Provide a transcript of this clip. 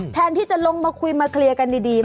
แทนที่จะลงมาคุยมาเคลียร์กันดี